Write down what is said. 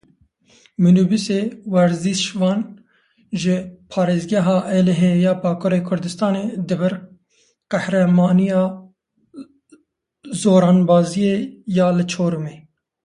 Minîbûsê werzîşvan ji parêzgeha Êlihê ya Bakurê Kurdistanê dibir qehremaniya zoranbaziyê ya li Çorumê.